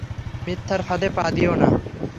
মিথ্যার ফাঁদে পা দিও না।